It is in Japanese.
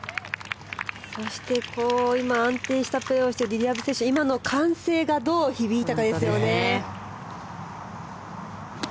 そして、今安定したプレーをしているリリア・ブ選手、今の歓声がどう響いたかですよね。